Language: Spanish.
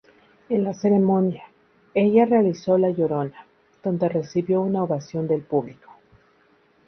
En la ceremonia, ella realizó "La Llorona", donde recibió una ovación del público.